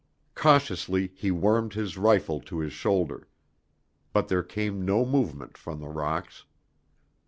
Cautiously he wormed his rifle to his shoulder. But there came no movement from the rocks.